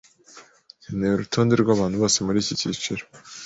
nkeneye urutonde rwabantu bose muriki cyiciro.